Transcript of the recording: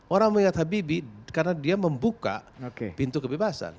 orang mengingat habibie karena dia membuka pintu kebebasan